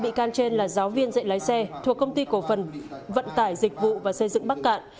ba bị can trên là giáo viên dạy lái xe thuộc công ty của phần vận tài dịch vụ và xây dựng bắc cạn